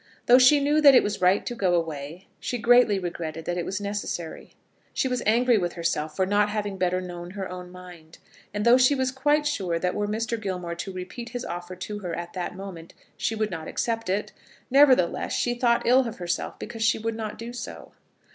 Though she knew that it was right to go away, she greatly regretted that it was necessary. She was angry with herself for not having better known her own mind, and though she was quite sure that were Mr. Gilmore to repeat his offer to her that moment, she would not accept it, nevertheless she thought ill of herself because she would not do so.